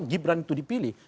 gibran itu dipilih